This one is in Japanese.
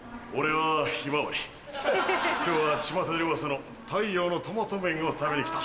今日はちまたでウワサの「太陽のトマト麺」を食べに来た。